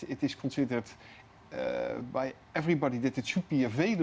itu dipertimbangkan oleh semua orang